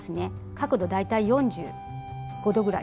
角度大体４５度ぐらいです。